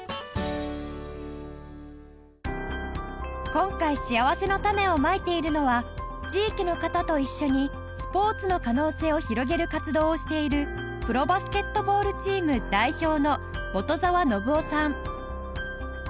今回しあわせのたねをまいているのは地域の方と一緒にスポーツの可能性を拡げる活動をしているプロバスケットボールチーム代表の元沢伸夫さん